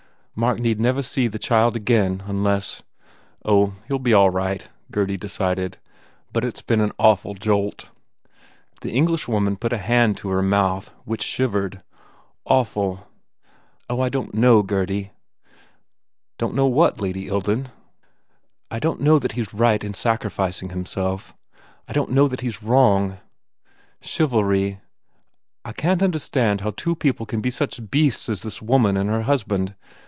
"Mark need never see the child again unless " "Oh, he ll be all right," Gurdy decided, "but it s been an awful jolt." The Englishwoman put a hand to her mouth which shivered. "Awful ... Oh, I don t know, Gurdy!" "Don t know what, Lady Ilden?" 272 THE WALLING "I don t know that he s right in sacrificing him self. ... I don t know that he s wrong. Chiv alry ... I can t understand how two people can be such beasts as this woman and her hus band.